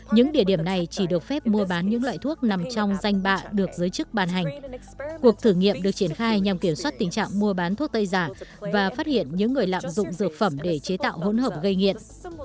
những địa điểm này chỉ được phép mua bán những loại thuốc nằm trong danh bạ được giới chức bàn hành cuộc thử nghiệm được triển khai nhằm kiểm soát tình trạng mua bán thuốc tây giả và phát hiện những người lạm dụng dược phẩm để chế tạo hỗn hợp gây nghiện